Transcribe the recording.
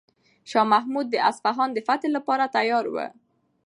شاه محمود د اصفهان د فتح لپاره تیار و.